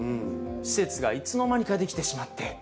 施設がいつの間にか出来てしまって。